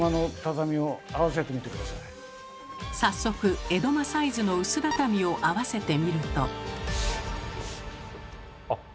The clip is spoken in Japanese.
早速江戸間サイズの薄畳を合わせてみると。